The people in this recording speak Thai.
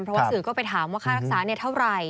เพราะว่าสื่อก็ไปถามว่าค่ารักษาเท่าไหร่